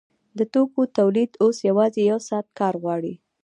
د توکو تولید اوس یوازې یو ساعت کار غواړي